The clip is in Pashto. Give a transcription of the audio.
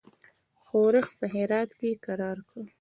ښورښ په هرات کې کرار کړ.